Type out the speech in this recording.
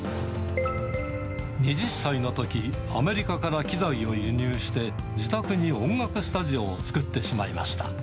２０歳のとき、アメリカから機材を輸入して自宅に音楽スタジオを作ってしまいました。